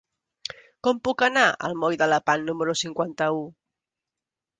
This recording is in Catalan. Com puc anar al moll de Lepant número cinquanta-u?